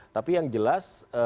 tapi yang jelas